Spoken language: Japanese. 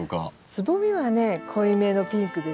つぼみはね濃いめのピンクですよね。